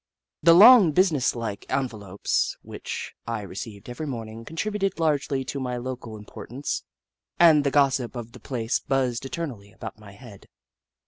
The long, business like envelopes which I received every morning contributed largely to my local importance, and the gossip of the 24 The Book of Clever Beasts place buzzed eternally about my head.